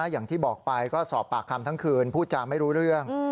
อย่างที่บอกไปก็สอบปากคำทั้งคืนพูดจาไม่รู้เรื่อง